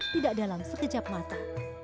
tidak dalam sekejap mata